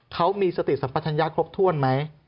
เขามีสติสัมปัชญาครบถ้วนไหม